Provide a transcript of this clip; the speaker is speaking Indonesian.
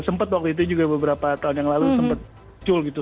sempat waktu itu juga beberapa tahun yang lalu sempat muncul gitu